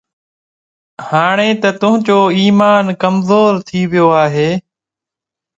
هاڻي ته تنهنجو ايمان ڪمزور ٿي ويو آهي،